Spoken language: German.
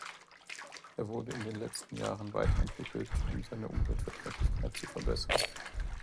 Er wurde in den letzten Jahren weiterentwickelt, um seine Umweltverträglichkeit zu verbessern.